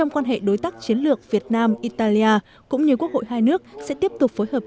quan hệ đối tác chiến lược việt nam italia cũng như quốc hội hai nước sẽ tiếp tục phối hợp